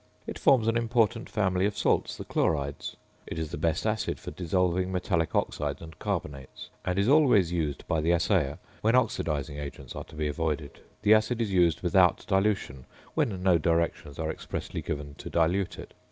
It forms an important family of salts, the chlorides. It is the best acid for dissolving metallic oxides and carbonates, and is always used by the assayer when oxidising agents are to be avoided. The acid is used without dilution when no directions are expressly given to dilute it.